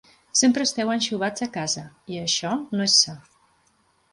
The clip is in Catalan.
Sempre esteu anxovats a casa, i això no és sa.